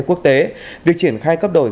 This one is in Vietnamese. quốc tế việc triển khai cấp đổi